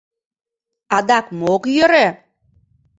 — Адак мо ок йӧрӧ?